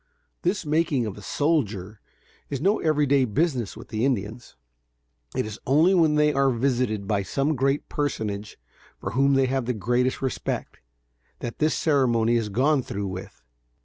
This making of a "soldier" is no every day business with the Indians. It is only when they are visited by some great personage for whom they have the greatest respect, that this ceremony is gone through with.